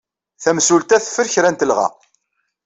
Tamsulta teffer kra n telɣa.